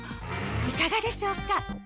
いかがでしょうか？